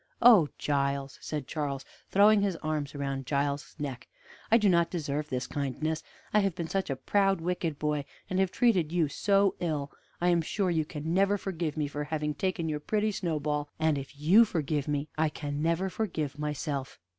"Oh, Giles!" said Charles, throwing his arms round Giles's neck, "I do not deserve this kindness; I have been such a proud, wicked boy, and have treated you so ill. I am sure you can never forgive me for having taken your pretty Snowball; and if you forgive me, I can never forgive myself."